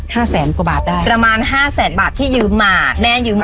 แสนกว่าบาทได้ประมาณห้าแสนบาทที่ยืมมาแม่ยืมมา